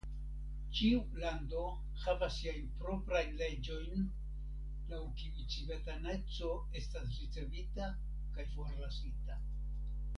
Ĉiu lando havas siajn proprajn leĝojn laŭ kiuj civitaneco estas ricevita kaj forlasita.